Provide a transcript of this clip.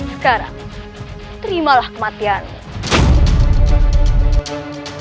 sekarang terimalah kematianmu